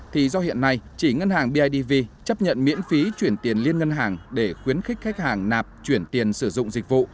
thì do hiện nay chỉ ngân hàng bidv chấp nhận miễn phí chuyển tiền liên ngân hàng để khuyến khích khách hàng nạp chuyển tiền sử dụng dịch vụ